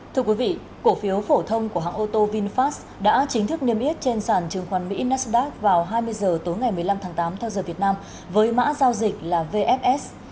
thưa quý vị cổ phiếu phổ thông của hãng ô tô vinfast đã chính thức niêm yết trên sản trừng khoan mỹ nasdaq vào hai mươi h tối ngày một mươi năm tháng tám theo giờ việt nam với mã giao dịch là vfs